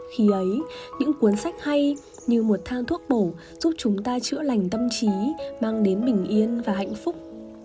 khi ấy những cuốn sách hay như một thang thuốc bổ giúp chúng ta chữa lành tâm trí mang đến bình yên và hạnh phúc